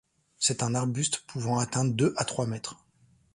C'est un arbuste pouvant atteindre deux à trois mètres.